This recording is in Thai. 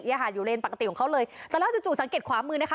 ค่ะอยู่เลนปกติของเขาเลยแต่แล้วจู่จู่สังเกตขวามือนะคะ